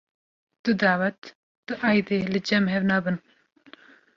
Du dawet du eydê li cem hev nabin.